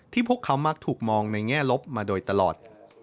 พวกเขามักถูกมองในแง่ลบมาโดยตลอด